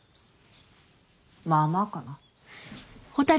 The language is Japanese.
まあまあかな。